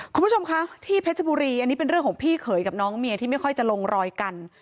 คุณผู้ชมคะที่เพชรบุรีอันนี้เป็นเรื่องของพี่เขยกับน้องเมียที่ไม่ค่อยจะลงรอยกัน